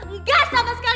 nggak sama sekali